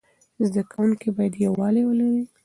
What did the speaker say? زده کوونکي باید یووالی ولري.